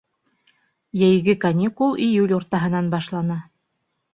Йәйге каникул июль уртаһынан башлана.